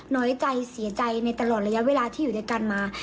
น้อยใจเสียใจในตลอดระยะเวลาที่อยู่ด้วยกันมา